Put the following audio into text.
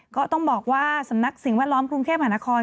ก็ต้องบอกว่าสำนักสิ่งแวดล้อมกรุงเทพหานคร